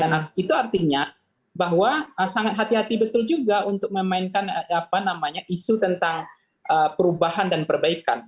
dan itu artinya bahwa sangat hati hati betul juga untuk memainkan isu tentang perubahan dan perbaikan